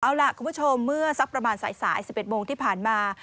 เอาล่ะคุณผู้ชมเมื่อสักประมาณสาย๑๑โมงที่ผ่านมา